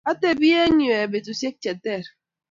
atebie eng' yue betusiek che ter